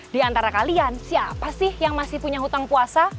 di antara kalian siapa sih yang masih punya hutang puasa